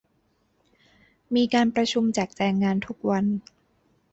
มีการประชุมแจกแจงงานทุกวัน